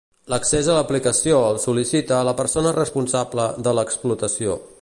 L'accés a l'aplicació el sol·licita la persona responsable de l'explotació.